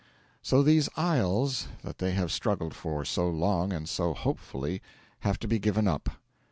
So these isles that they have struggled for so long and so hopefully have to be given up.